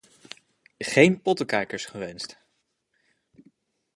Geen pottenkijkers gewenst!